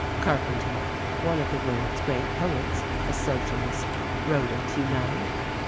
Carpenter, one of the world's great poets, a Socialist, wrote it, you know."